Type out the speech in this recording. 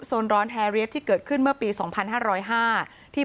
โซนร้อนแฮเรียสที่เกิดขึ้นเมื่อปีสองพันห้าร้อยห้าที่